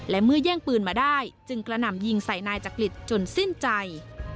และเมื่อแย่งปืนมาได้จึงกระหน่ำยิงใส่นายจักริตจนสิ้นใจ